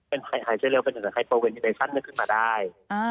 เป็นไฮเทรลเป็นไฮโปรเวนิเวชันนึกขึ้นมาได้